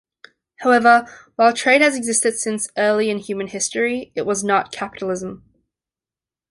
However, while trade has existed since early in human history, it was not capitalism.